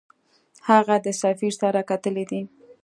هغه د سفیر سره کتلي دي.